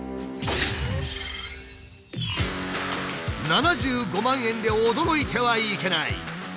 ７５万円で驚いてはいけない！